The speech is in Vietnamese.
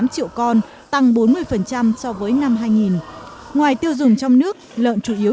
tám triệu con tăng bốn mươi so với năm hai nghìn ngoài tiêu dùng trong nước lợn chủ yếu